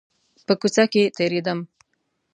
په کوڅه کښې تېرېدم .